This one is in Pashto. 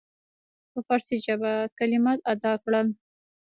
په فارسي ژبه کلمات ادا کړل.